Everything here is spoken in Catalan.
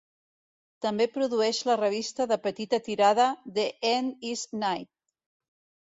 També produeix la revista de petita tirada "The End Is Nigh".